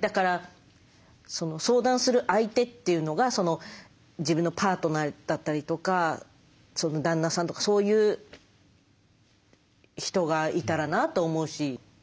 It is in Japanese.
だから相談する相手というのが自分のパートナーだったりとか旦那さんとかそういう人がいたらなと思うし。